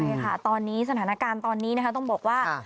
ใช่ค่ะสถานการณ์ตอนนี้ต้องบอกว่า